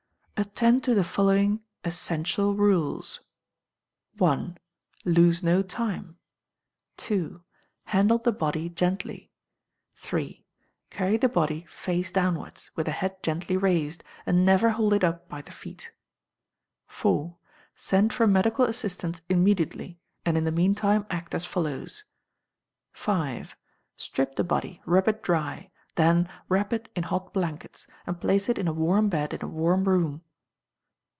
Attend to the following essential rules: i. Lose no time. ii. Handle the body gently. iii. Carry the body face downwards, with the head gently raised, and never hold it up by the feet. iv. Send for medical assistance immediately, and in the meantime act as follows: v. Strip the body, rub it dry: then wrap it in hot blankets, and place it in a warm bed in a warm room.